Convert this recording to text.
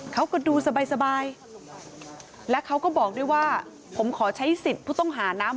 เขาก็ดูสบายและเขาก็บอกด้วยว่าผมขอใช้สิทธิ์ผู้ต้องหานะ